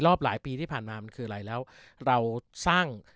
หลายปีที่ผ่านมามันคืออะไรแล้วเราสร้าง